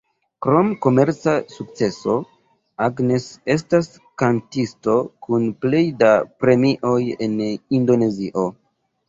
Krom komerca sukceso, Agnes estas kantisto kun plej da premioj en Indonezio.